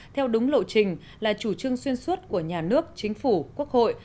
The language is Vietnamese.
theo đúng lộ trình là chủ trương xuyên suốt của nhà nước chính phủ quốc hội